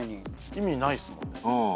意味ないっすもんね。